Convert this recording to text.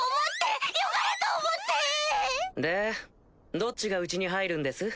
どっちがうちに入るんです？